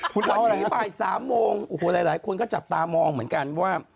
วันนี้บ่าย๓โมงโอ้โหหลายคนก็จับตามองเหมือนกันว่า